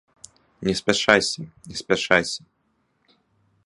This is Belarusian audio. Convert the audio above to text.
Не спяшайся, не спяшайся!